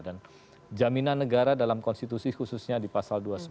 dan jaminan negara dalam konstitusi khususnya di pasal dua puluh sembilan